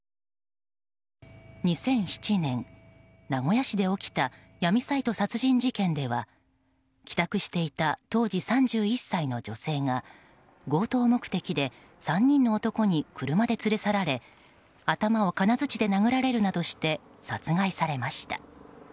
２００７年、名古屋市で起きた闇サイト殺人事件では帰宅していた当時３１歳の女性が強盗目的で３人の男に車で連れ去られ頭を金づちで殴られるなどして殺害されました。